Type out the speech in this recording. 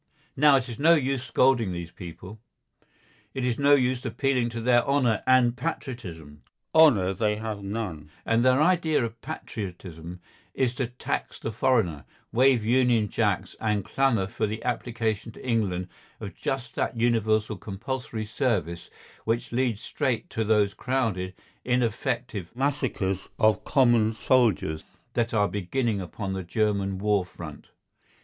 Now it is no use scolding these people. It is no use appealing to their honour and patriotism. Honour they have none, and their idea of patriotism is to "tax the foreigner," wave Union Jacks, and clamour for the application to England of just that universal compulsory service which leads straight to those crowded, ineffective massacres of common soldiers that are beginning upon the German war front.